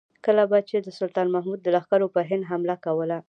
کله به چې د سلطان محمود لښکرو پر هند حمله کوله.